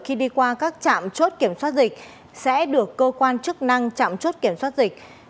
khi đi qua các trạm chốt kiểm soát dịch sẽ được cơ quan chức năng chạm chốt kiểm soát dịch